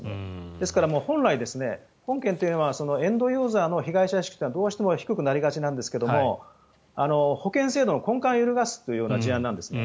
ですから、本来、本件というのはエンドユーザーの被害者意識はどうしても低くなりがちなんですが保険制度の根幹を揺るがす事案なんですね。